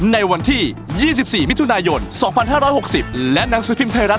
ในวันที่๒๔มิถุนายน๒๕๖๐และหนังสือพิมพ์ไทยรัฐ